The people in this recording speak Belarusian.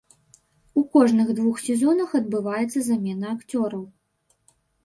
У кожных двух сезонах адбываецца замена акцёраў.